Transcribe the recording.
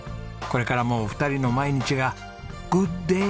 これからもお二人の毎日がグッドデー！